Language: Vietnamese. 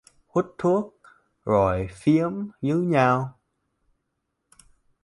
Hút thuốc rồi phiếm với nhau